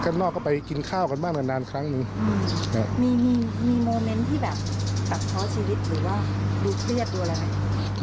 ก็กั้นนอกไปกินข้้ากันบ้างหนันครั้งหนึ่ง